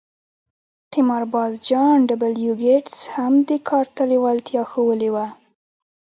قمارباز جان ډبلیو ګیټس هم دې کار ته لېوالتیا ښوولې وه